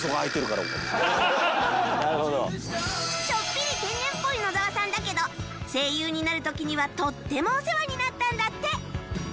ちょっぴり天然っぽい野沢さんだけど声優になる時にはとってもお世話になったんだって